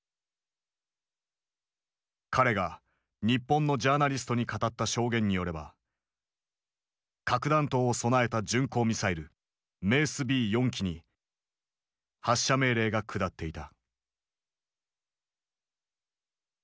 彼が日本のジャーナリストに語った証言によれば核弾頭を備えた巡航ミサイルメースＢ４基に発射命令が下っていた。